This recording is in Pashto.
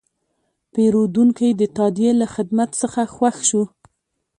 پیرودونکی د تادیې له خدمت څخه خوښ شو.